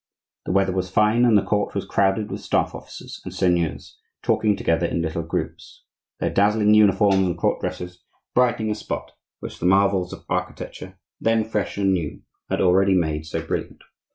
The weather was fine, and the court was crowded with staff officers and seigneurs, talking together in little groups,—their dazzling uniforms and court dresses brightening a spot which the marvels of architecture, then fresh and new, had already made so brilliant.